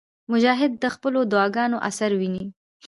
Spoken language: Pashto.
مجاهد د خپلو دعاګانو اثر ویني.